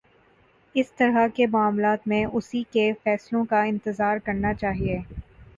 اِس طرح کے معاملات میں اُسی کے فیصلوں کا انتظار کرنا چاہیے